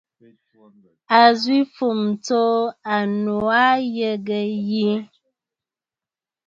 A zwì fûm tso annù a yəgə yi.